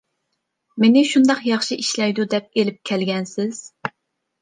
مېنى مۇشۇنداق ياخشى ئىشلەيدۇ دەپ ئېلىپ كەلگەنسىز؟